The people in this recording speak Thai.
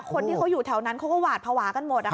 คนที่เขาอยู่แถวนั้นเขาก็หวาดภาวะกันหมด